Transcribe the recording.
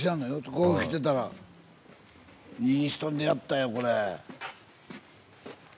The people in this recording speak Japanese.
こう来てたらいい人に出会ったよこれ。